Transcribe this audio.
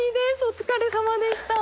お疲れさまでした。